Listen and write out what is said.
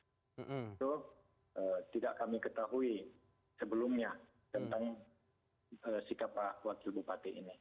itu tidak kami ketahui sebelumnya tentang sikap pak wakil bupati ini